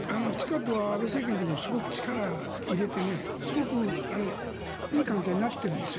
ＴＩＣＡＤは安倍政権の時もすごく力を入れてすごくいい関係になっているんです。